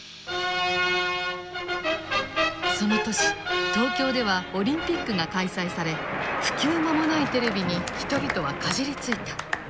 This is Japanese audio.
その年東京ではオリンピックが開催され普及間もないテレビに人々はかじりついた。